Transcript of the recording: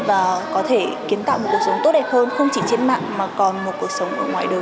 và có thể kiến tạo một cuộc sống tốt đẹp hơn không chỉ trên mạng mà còn một cuộc sống ở ngoài đời